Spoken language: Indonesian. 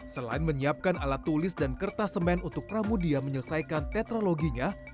selain menyiapkan alat tulis dan kertas semen untuk pramudia menyelesaikan tetraloginya